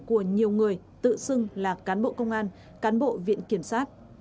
của nhiều người tự xưng là cán bộ công an cán bộ viện kiểm sát